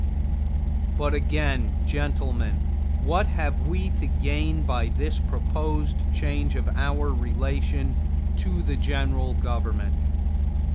But, again, gentlemen, what have we to gain by this proposed change of our relation to the general government?